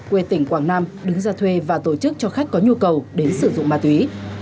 quê tỉnh quảng nam đứng ra thuê và tổ chức cho khách có nhu cầu đến sử dụng ma túy